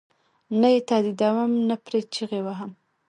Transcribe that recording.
نه یې تهدیدوم نه پرې چغې وهم.